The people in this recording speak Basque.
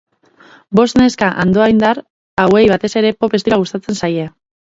Bost neska andoaindar hauei batez ere pop estiloa gustatzen zaie.